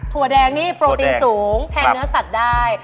ถั่วแดงนี่โปรตีนสูงแทนเนื้อสัตว์ได้